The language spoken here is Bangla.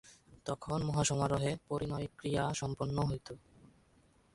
তখন মহাসমারোহে পরিণয়ক্রিয়া সম্পন্ন হইত।